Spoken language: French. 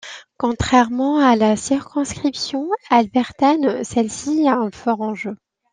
Contrairement à la circonscription albertaine, celle-ci a un fort enjeu.